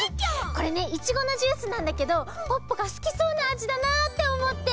これねいちごのジュースなんだけどポッポがすきそうなあじだなっておもって。